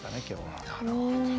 なるほど。